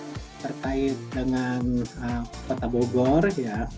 berkait dengan kota bogor ya